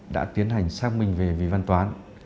đã tiến hành xác minh về vì văn toán